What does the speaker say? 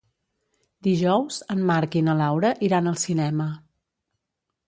Dijous en Marc i na Laura iran al cinema.